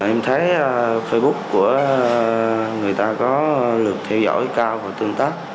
em thấy facebook của người ta có lượt theo dõi cao và tương tác